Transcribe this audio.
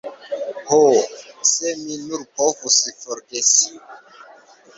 Ho, se mi nur povus forgesi.